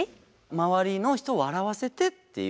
周りの人を笑わせてっていう。